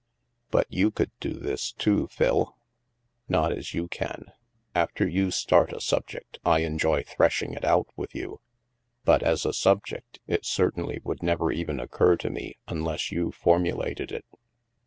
" But you could do this too, Phil." " Not as you can. After you start a subject, I enjoy threshing it out with you; but as a subject, it it 290 THE MASK certainly would never even occur to me unless you formulated it."